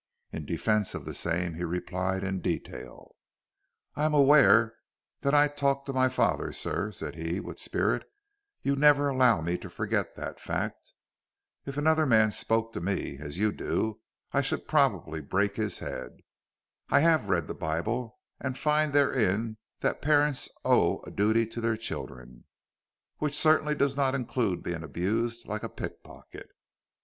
In defence of the same he replied in detail, "I am aware that I talk to my father, sir," said he, with spirit; "you never allow me to forget that fact. If another man spoke to me as you do I should probably break his head. I have read the Bible, and find therein that parents owe a duty to their children, which certainly does not include being abused like a pick pocket.